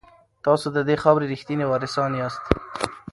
تاسو د دې خاورې ریښتیني وارثان یاست.